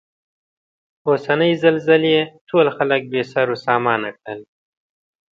اوسنۍ زلزلې ټول خلک بې سرو سامانه کړل.